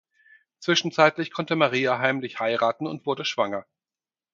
Zwischenzeitlich konnte Maria heimlich heiraten und wurde schwanger.